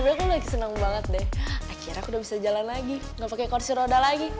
waktu itu gue lagi senang banget deh akhirnya aku udah bisa jalan lagi nggak pakai kursi roda lagi